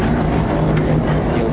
astaghfirullahaladzim allah wabarakatuh